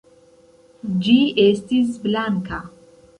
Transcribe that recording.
Ĝi estis blanka.